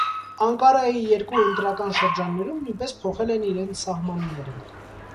Անկարայի երկու ընտրական շրջաններում նույնպես փոխել են իրենց սահմանները։